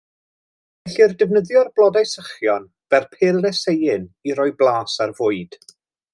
Gellir defnyddio'r blodau sychion fel perlysieuyn i roi blas ar fwyd.